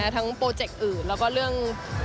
โปรเจคอื่นแล้วก็เรื่อง